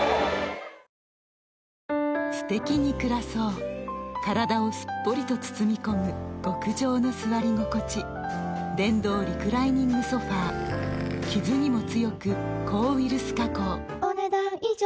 すてきに暮らそう体をすっぽりと包み込む極上の座り心地電動リクライニングソファ傷にも強く抗ウイルス加工お、ねだん以上。